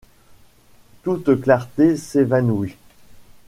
Toute clarté s’évanouit.